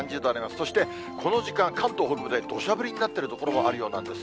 そしてこの時間、関東北部でどしゃ降りになっている所もあるようなんです。